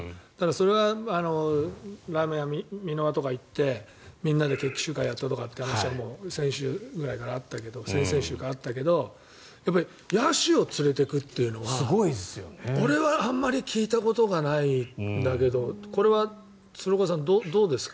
それはラーメン屋とか行ってみんなで決起集会やったりとかっていうのは先々週からあったけど野手を連れていくというのは俺はあまり聞いたことがないんだけどこれは鶴岡さん、どうですか？